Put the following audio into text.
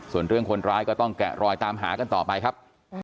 ส่วนเรื่องคนร้ายก็ต้องแกะรอยตามหากันต่อไปครับ